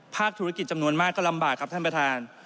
ธุรกิจจำนวนมากก็ลำบากครับท่านประธาน